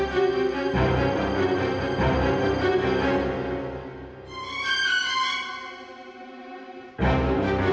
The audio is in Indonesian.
yang sepupu banget